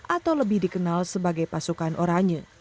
atau lebih dikenal sebagai pasukan oranye